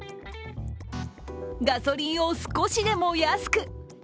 ガソリンを少しでも安く。